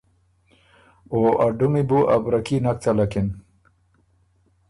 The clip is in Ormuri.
او ا ډُمی بُو ا بره کي نک څلکِن۔